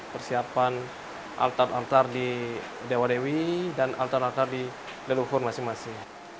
persiapan altar altar di dewa dewi dan altar altar di leluhur masing masing